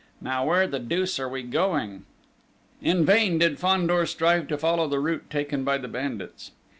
Now, where the deuce are we going?" In vain did Fandor strive to follow the route taken by the bandits!